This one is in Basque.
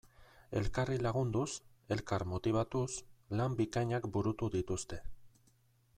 Elkarri lagunduz, elkar motibatuz, lan bikainak burutu dituzte.